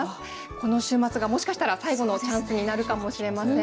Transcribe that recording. この週末がもしかしたら最後のチャンスになるかもしれません。